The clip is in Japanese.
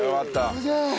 すげえ。